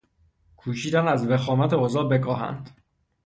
کوشیدند از وخامت اوضاع بکاهند.